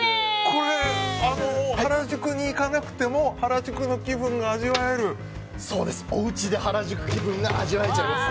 これ、原宿に行かなくても原宿の気分がおうちで原宿気分が味わえます。